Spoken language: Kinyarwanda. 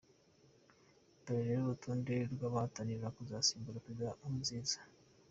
Dore rero urutonde ruhatanira kuzasimbura Perezida Nkurunziza.